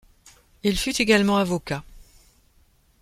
Il fut également avocat.